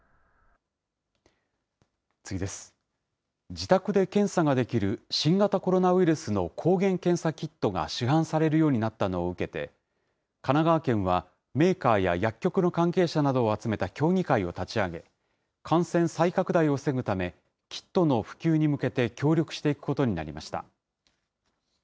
自宅で検査ができる新型コロナウイルスの抗原検査キットが市販されるようになったのを受けて、神奈川県はメーカーや薬局の関係者などを集めた協議会を立ち上げ、感染再拡大を防ぐため、キットの普及に向けて協力していくことになりました。